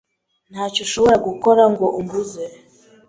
Ntacyo ushobora gukora ngo umbuze.